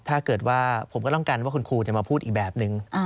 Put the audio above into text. ถ้าเกิดว่าผมก็ต้องการว่าคุณครูจะมาพูดอีกแบบนึง